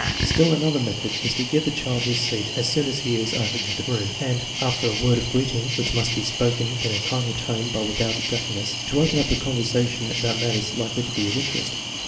Still another method is to give the child his seat as soon as he is ushered into the room, and, after a word of greeting, which must be spoken in a kindly tone but without gushi ness, to open up a conversation about matters likely to be of interest.